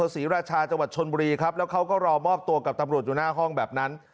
ศรีราชาจังหวัดชนบุรีครับแล้วเขาก็รอมอบตัวกับตำรวจอยู่หน้าห้องแบบนั้น